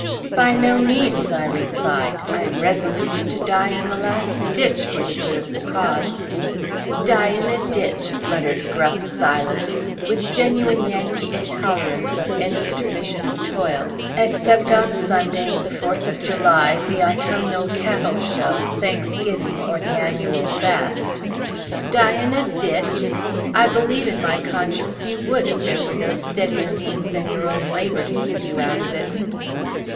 "By no means," I replied. "I am resolute to die in the last ditch, for the good of the cause." "Die in a ditch!" muttered gruff Silas, with genuine Yankee intolerance of any intermission of toil, except on Sunday, the Fourth of July, the autumnal cattle show, Thanksgiving, or the annual Fast, "die in a ditch! I believe, in my conscience, you would, if there were no steadier means than your own labor to keep you out of it!"